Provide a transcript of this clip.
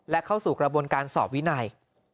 และเข้าสู่กระบวนการสอบวินัย